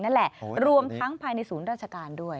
นั่นแหละรวมทั้งภายในศูนย์ราชการด้วย